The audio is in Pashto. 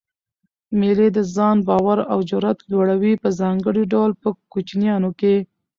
مېلې د ځان باور او جرئت لوړوي؛ په ځانګړي ډول په کوچنيانو کښي.